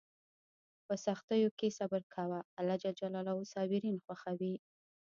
په سختیو کې صبر کوه، الله صابرین خوښوي.